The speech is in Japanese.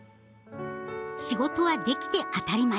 仕事はできて当たり前。